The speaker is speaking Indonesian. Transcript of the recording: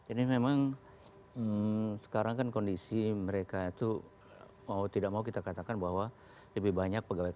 ini memang sekarang kan kondisi mereka itu mau tidak mau kita katakan bahwa lebih banyak pegawai